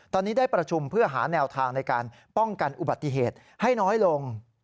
ตอนนี้ได้ประชุมเพื่อหาแนวทางในการป้องกันอุบัติเหตุให้น้อยลง